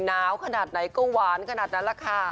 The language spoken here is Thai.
หนาวขนาดไหนก็หวานขนาดนั้นแหละค่ะ